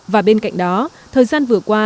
và bên cạnh đó thời gian vừa qua